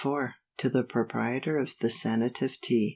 _To the Proprietor of the Sanative Tea.